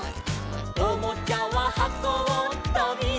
「おもちゃははこをとびだして」